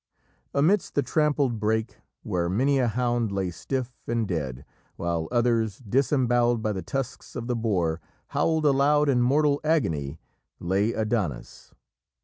Amidst the trampled brake, where many a hound lay stiff and dead, while others, disembowelled by the tusks of the boar, howled aloud in mortal agony, lay Adonis.